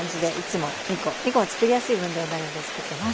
２コはつくりやすい分量になるんでつくってます。